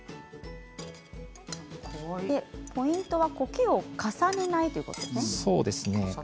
ポイントはこけを重ねないということですね。